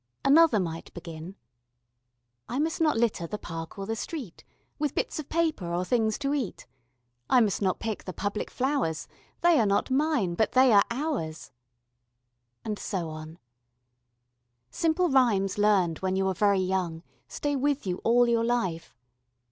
Another might begin: I must not litter the park or the street With bits of paper or things to eat: I must not pick the public flowers They are not mine, but they are ours. ... And so on. Simple rhymes learned when you are very young stay with you all your life.